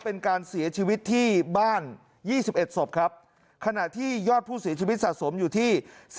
เป็นการเสียชีวิตที่บ้าน๒๑ศพครับขณะที่ยอดผู้เสียชีวิตสะสมอยู่ที่